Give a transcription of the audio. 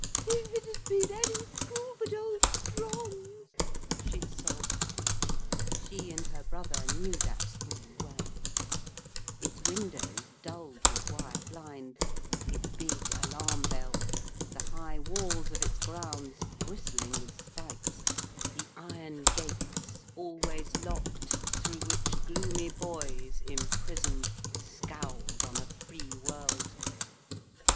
'If it had been any school but old Strong's,' she sobbed. She and her brother knew that school well: its windows, dulled with wire blinds, its big alarm bell, the high walls of its grounds, bristling with spikes, the iron gates, always locked, through which gloomy boys, imprisoned, scowled on a free world.